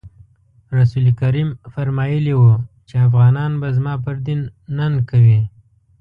رسول کریم فرمایلي وو چې افغانان به زما پر دین ننګ کوي.